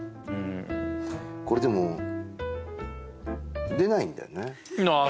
これでも出ないんだよねああ